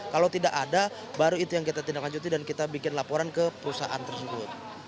kalau tidak ada baru itu yang kita tindak lanjuti dan kita bikin laporan ke perusahaan tersebut